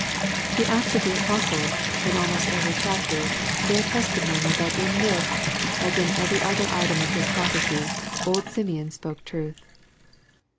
The Acts of the Apostles, in almost every chapter, bear testimony that in this, as in every other item of his prophecy, old Simeon spoke truth.